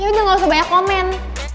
udah gak usah banyak komen